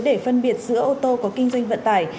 để phân biệt giữa ô tô có kinh doanh vận tải